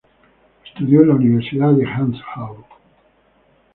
Estudió en la universidad de Hangzhou.